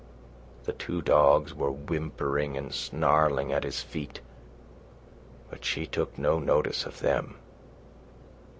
The two dogs were whimpering and snarling at his feet, but she took no notice of them.